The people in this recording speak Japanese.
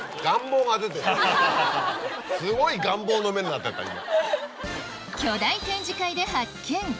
すごい願望の目になってた今。